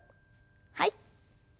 はい。